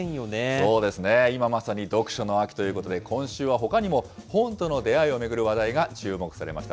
そうですね、今まさに読書の秋ということで、今週はほかにも、本との出会いを巡る話題が注目されました。